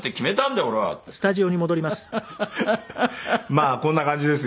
まあこんな感じですよ。